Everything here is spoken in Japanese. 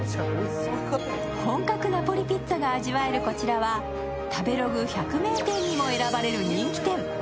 本格ナポリピッツァが味わえるこちらは食べログ百名店にも選ばれる人気店。